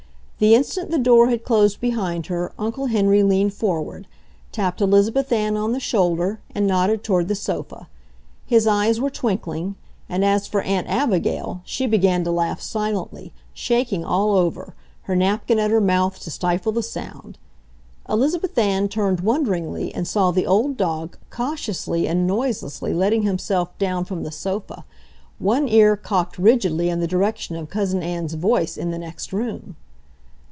The instant the door had closed behind her Uncle Henry leaned forward, tapped Elizabeth Ann on the shoulder, and nodded toward the sofa. His eyes were twinkling, and as for Aunt Abigail she began to laugh silently, shaking all over, her napkin at her mouth to stifle the sound. Elizabeth Ann turned wonderingly and saw the old dog cautiously and noiselessly letting himself down from the sofa, one ear cocked rigidly in the direction of Cousin Ann's voice in the next room.